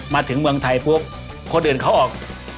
มาถึงเมืองไทยปุ๊บคนอื่นเขาออก